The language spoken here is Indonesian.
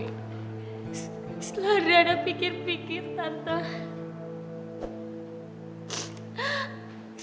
setelah adriana pikir pikir tante